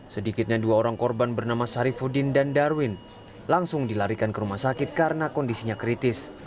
sedikitnya dua orang korban bernama sarifudin dan darwin langsung dilarikan ke rumah sakit karena kondisinya kritis